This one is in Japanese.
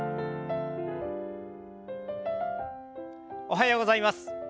おはようございます。